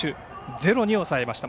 ゼロに抑えました。